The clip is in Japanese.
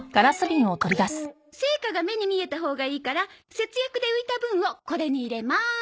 成果が目に見えたほうがいいから節約で浮いた分をこれに入れます。